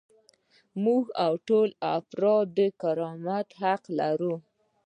موږ او ټول افراد د کرامت حق لرو.